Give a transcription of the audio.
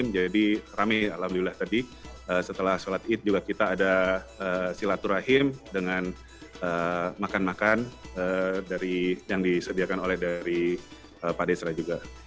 jadi rame alhamdulillah tadi setelah sholat idul fitri juga kita ada sholat turahim dengan makan makan yang disediakan oleh pak desra juga